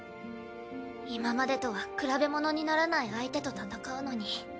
今までとは比べものにならない相手と戦うのに。